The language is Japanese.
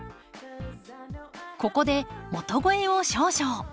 ここで元肥を少々。